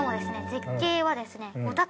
絶景はですね。